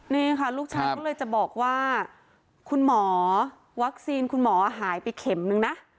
นี่ค่ะลูกชายก็เลยจะบอกว่าคุณหมอวัคซีนคุณหมอหายไปเข็มนึงนะ